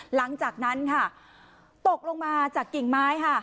หลังจากนั้นค่ะตกลงมาจากกิ่งไม้ค่ะ